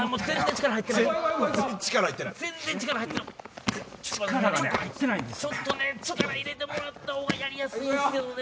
力入れてもらったほうがやりやすいんすけどね。